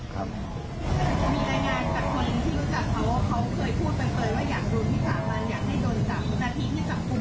มีรายงานกับคนที่รู้จักเขาเขาเคยพูดต่อว่าอยากโดนที่สามวัน